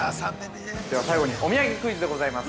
◆では、最後にお土産クイズでございます。